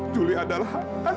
juli ada lahat